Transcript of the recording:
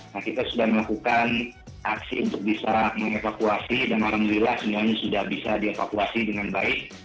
nah kita sudah melakukan aksi untuk bisa mengevakuasi dan alhamdulillah semuanya sudah bisa dievakuasi dengan baik